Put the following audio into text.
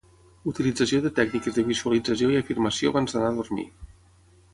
utilització de tècniques de visualització i afirmació abans d'anar a dormir